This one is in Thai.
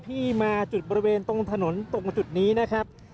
ที่มาจุดบริเวณตรงถนนตรงจุดนี้นะครับ